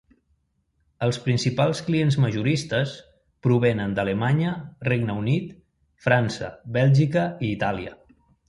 Els principals clients majoristes provenen d'Alemanya, Regne Unit, França, Bèlgica i Itàlia.